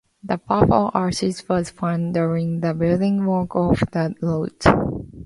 The path of ashes was found during the building work of the route.